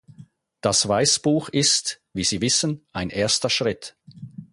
Das Weißbuch ist, wie Sie wissen, ein erster Schritt.